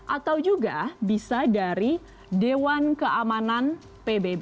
atau juga bisa dari dewan keamanan pbb